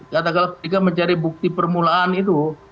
katakanlah ketika mencari bukti permulaan itu